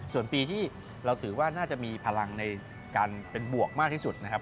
ส่วนปีที่เราถือว่าน่าจะมีพลังในการเป็นบวกมากที่สุดนะครับ